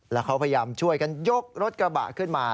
แล้วเขาพยายามช่วยกันยกรถกระบะขึ้นมา